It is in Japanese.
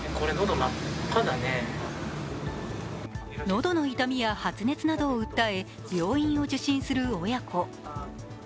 のどの痛みや発熱などを訴え病院を受診する親子。